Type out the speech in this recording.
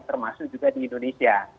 termasuk juga di indonesia